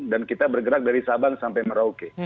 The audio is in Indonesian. dan kita bergerak dari sabang sampai merauke